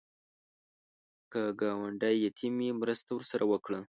که ګاونډی یتیم وي، مرسته ورسره وکړه